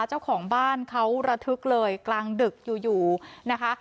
เจ้าของบ้านเขาระทึกเลยกลางดึกอยู่อยู่นะคะ